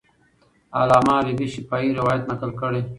علامه حبیبي شفاهي روایت نقل کړی.